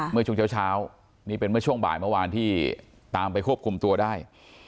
เมื่อช่วงเช้านี่เป็นเมื่อช่วงบ่ายเมื่อวานที่ตามไปควบคุมตัวได้